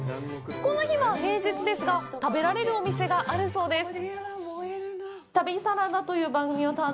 この日は平日ですが食べられるお店があるそうです。